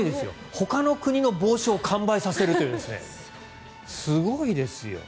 ほかの国の帽子を完売させるというすごいですよ。